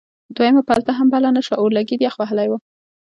خو دویمه پلته هم بله نه شوه اورلګید یخ وهلی و.